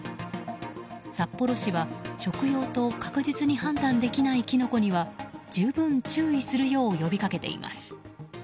札幌市は、食用と確実に判断できないキノコには十分注意するよう呼びかけています。